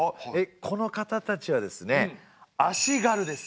この方たちはですね足軽です。